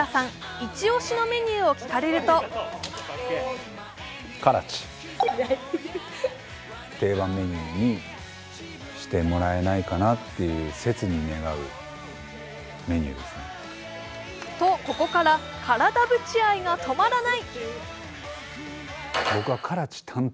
イチ押しのメニューを聞かれるとと、ここから辛ダブチ愛が止まらない。